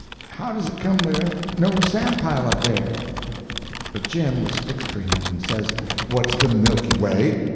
How does it come there ain't no sand pile up there?" But Jim was fixed for him and says: "What's de Milky Way?